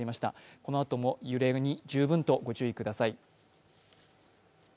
このあとも揺れに十分ご注意ください。